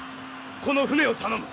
この船を頼む。